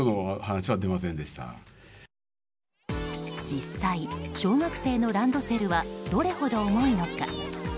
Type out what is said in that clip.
実際、小学生のランドセルはどれほど重いのか。